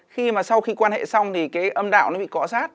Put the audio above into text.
khi mà sau khi quan hệ xong thì cái âm đạo nó bị cọ sát